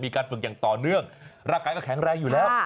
มีการฝึกอย่างต่อเนื่องรากันก็แข็งแรงอยู่แล้ว